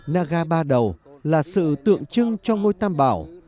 naga ba đầu là sự tượng trưng cho ngôi tam bảo